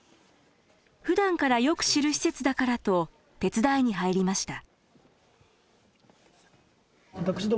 ふだんからよく知る施設だからと手伝いに入りました。